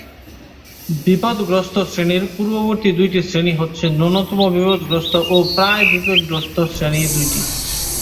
বিপদগ্রস্ত শ্রেণীর পূর্ববর্তী দুইটি শ্রেণী হচ্ছে ন্যূনতম বিপদগ্রস্ত ও প্রায়-বিপদগ্রস্ত শ্রেণী দুইটি।